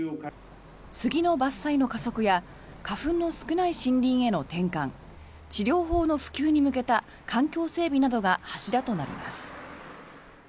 杉の伐採の加速や花粉の少ない森林への転換治療法の普及に向けた環境整備などが柱となります。